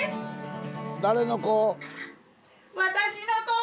誰の子？